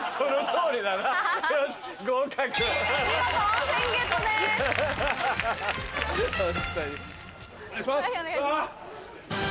お願いします。